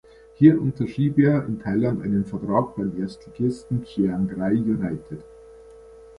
Hier unterschrieb er in Thailand einen Vertrag beim Erstligisten Chiangrai United.